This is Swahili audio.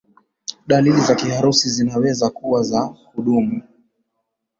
Dalili za kiharusi zinaweza kuwa za kudumu.